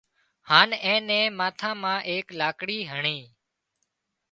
هانَ اين نين ماٿا مان ايڪ لاڪڙِي هڻي